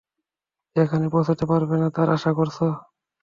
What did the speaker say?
যেখানে পৌঁছতে পারবে না তার আশা করছো!